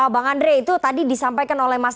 bang andre itu tadi disampaikan oleh pak jokowi